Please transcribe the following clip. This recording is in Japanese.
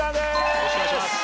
よろしくお願いします